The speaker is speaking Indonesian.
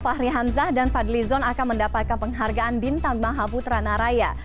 fahri hamzah dan fadli zon akan mendapatkan penghargaan bintang mahaputra naraya